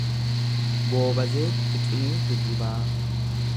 Goobazee Xiqiimii Dirribaa